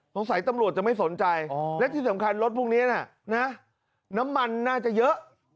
สงสัยตำรวจจะไม่สนใจและที่สำคัญรถพวกนี้นะน้ำมันน่าจะเยอะ